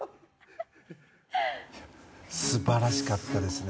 素晴らしかったですね。